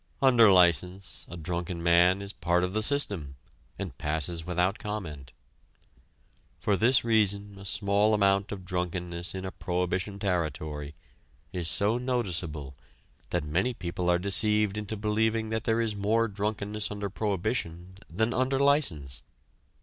Under license, a drunken man is part of the system and passes without comment. For this reason a small amount of drunkenness in a prohibition territory is so noticeable that many people are deceived into believing that there is more drunkenness under prohibition than under license.